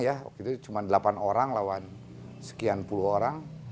ya waktu itu cuma delapan orang lawan sekian puluh orang